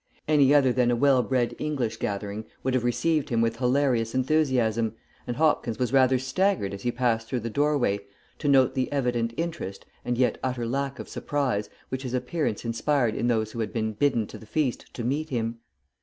Any other than a well bred English gathering would have received him with hilarious enthusiasm, and Hopkins was rather staggered as he passed through the doorway to note the evident interest, and yet utter lack of surprise, which his appearance inspired in those who had been bidden to the feast to meet him.